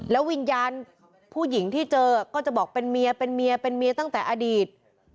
วิญญาณผู้หญิงที่เจอก็จะบอกเป็นเมียเป็นเมียเป็นเมียตั้งแต่อดีต